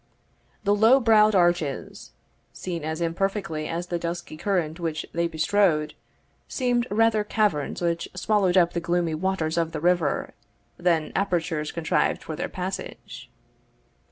The low browed arches, seen as imperfectly as the dusky current which they bestrode, seemed rather caverns which swallowed up the gloomy waters of the river, than apertures contrived for their passage.